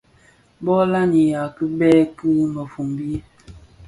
Bo lamiya kibèè ki mëfombi,